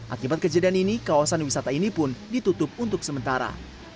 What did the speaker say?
akibat kejadian ini kawasan wisata ini pun ditutup untuk sementara